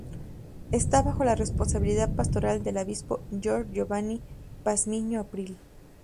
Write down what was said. Esta bajo la responsabilidad pastoral del obispo Jorge Giovanny Pazmiño Abril.